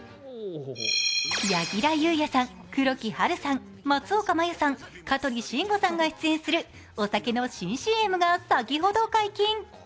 柳楽優弥さん、黒木華さん、松岡茉優さん、香取慎吾さんが出演するお酒の新ＣＭが先ほど解禁。